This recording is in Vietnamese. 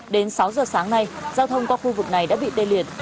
đến sáu giờ sáng nay giao thông qua khu vực này đã bị tê liệt